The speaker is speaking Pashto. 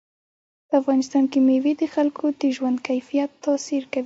په افغانستان کې مېوې د خلکو د ژوند کیفیت تاثیر کوي.